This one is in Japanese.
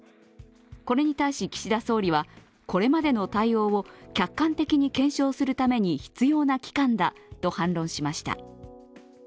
これに対し、岸田総理はこれまでの対応を客観的に検証するために必要な期間だと反論しました。